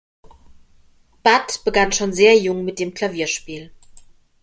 Budd begann schon sehr jung mit dem Klavierspiel.